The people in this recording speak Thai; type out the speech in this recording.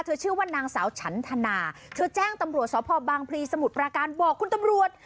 ชื่อว่านางสาวฉันธนาเธอแจ้งตำรวจสพบางพลีสมุทรปราการบอกคุณตำรวจ